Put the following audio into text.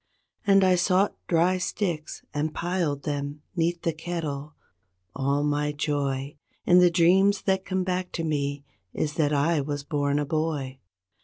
And I sought dry sticks and piled them 'neath the kettle—all my joy In the dreams that come back to me is that I was born a boy.